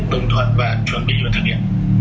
tổng thuận và chuẩn bị và thực hiện